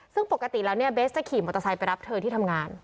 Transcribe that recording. ซึ่งปกติแล้วเนี่ยเบสจะขี่มอเตอร์ไซค์ไปรับเธอที่ทำงาน